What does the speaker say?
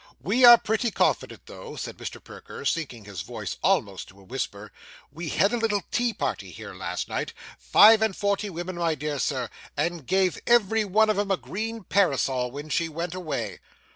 'We are pretty confident, though,' said Mr. Perker, sinking his voice almost to a whisper. 'We had a little tea party here, last night five and forty women, my dear sir and gave every one of 'em a green parasol when she went away.